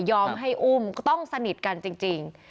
ให้อุ้มก็ต้องสนิทกันจริง